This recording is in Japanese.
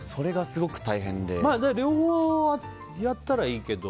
両方やったらいいけど。